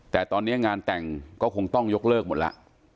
แต่ตอนนี้งานแต่งก็คงต้องยกเลิกหมดแล้ว